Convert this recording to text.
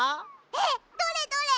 えっどれどれ？